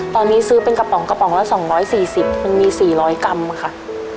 ตอนนี้ซื้อเป็นกระป๋องกระป๋องละ๒๔๐มันมี๔๐๐กรัมค่ะ